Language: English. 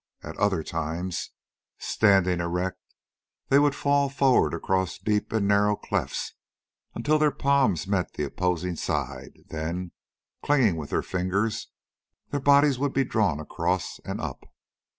At other times, standing erect, they would fall forward across deep and narrow clefts until their palms met the opposing side; then, clinging with their fingers, their bodies would be drawn across and up.